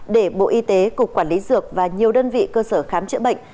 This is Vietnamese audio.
để bộ y tế cục quản lý dược và nhiều đơn vị cơ sở khám chữa bệnh